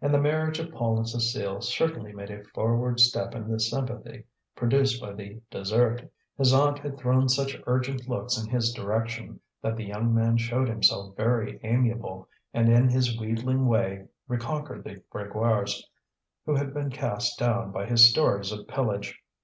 And the marriage of Paul and Cécile certainly made a forward step in the sympathy produced by the dessert. His aunt had thrown such urgent looks in his direction, that the young man showed himself very amiable, and in his wheedling way reconquered the Grégoires, who had been cast down by his stories of pillage.